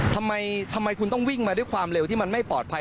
ทำไมคุณต้องวิ่งมาด้วยความเร็วที่มันไม่ปลอดภัย